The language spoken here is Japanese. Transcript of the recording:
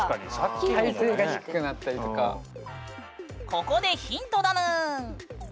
ここでヒントだぬん。